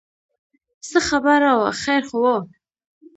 څه خبره وه خیر خو و.